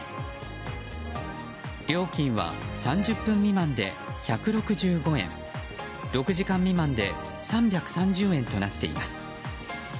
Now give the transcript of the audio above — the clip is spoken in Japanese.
料金は３０分未満で１６５円６時間未満で３３０円となっています。